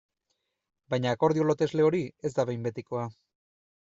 Baina akordio lotesle hori ez da behin betikoa.